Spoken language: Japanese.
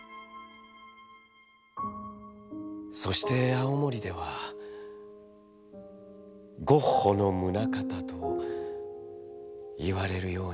「そして青森では『ゴッホのムナカタ』といわれるようになっていました」。